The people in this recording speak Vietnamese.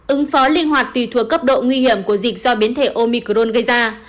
ứng phó linh hoạt tùy thuộc cấp độ nguy hiểm của dịch do biến thể omicron gây ra